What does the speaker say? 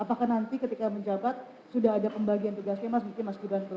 apakah nanti ketika menjabat sudah ada pembagian tugasnya mas gibran dan mas teguh sendiri